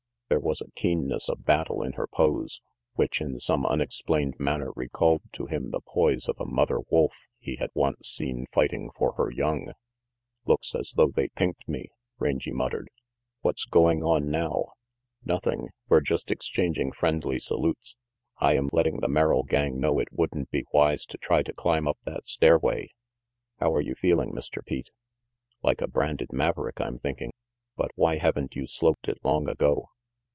There was a keenness of battle in her pose, which in some unexplained manner recalled to him the poise of a mother wolf he had once seen fighting for her young. "Looks as though they pinked me," Rangy mut tered. "What's going on now?" 368 RANGY PETE "Nothing. We're just exchanging friendly salutes. I am letting the Merrill gang know it wouldn't be wise to try to climb up that stairway. How are you feeling, Mr. Pete?" "Like a branded maverick, I'm thinkin*. But why haven't you sloped it long ago?"